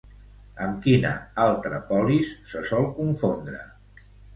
Amb quina altra polis se sol confondre?